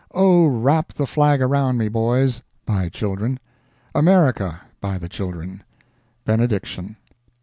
"O wrap the flag around me, boys," by Children. "America," by the Children. Benediction.